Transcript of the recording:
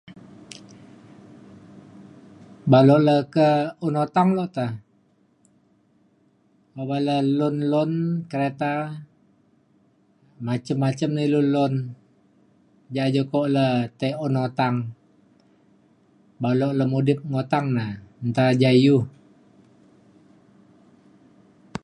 baluk le ke un otang le te oban le loan loan kereta macem macem ne ilu loan ja jukok le tei un utang baluk le mudip ngotang na nta ja iu